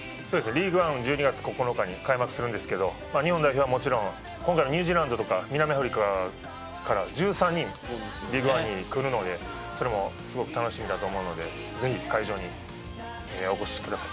リーグワン、１２月９日に開幕するんですけれども、日本代表はもちろん今回のニュージーランドとか南アフリカから１３人、リーグワンに来るので、それもすごく楽しみだと思うので、ぜひ会場にお越しください。